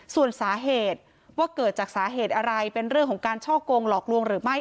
ส่วนสาเหตุว่าเกิดจากสาเหตุอะไรเป็นเรื่องของการช่อกงหลอกลวงหรือไม่